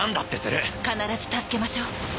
「必ず助けましょう」